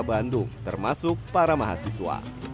bandung termasuk para mahasiswa